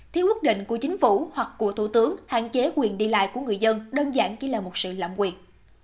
theo quyết định của chính phủ hoặc của thủ tướng hạn chế quyền đi lại của người dân đơn giản chỉ là một sự lạm quyền